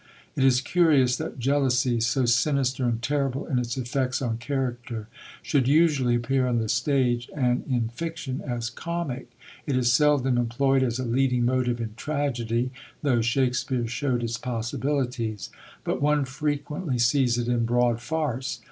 It is curious that jealousy, so sinister and terrible in its effects on character, should usually appear on the stage and in fiction as comic. It is seldom employed as a leading motive in tragedy, though Shakespeare showed its possibilities; but one frequently sees it in broad farce.